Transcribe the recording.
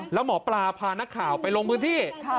แล้วหมอปลาพานักข่าวไปลงพื้นที่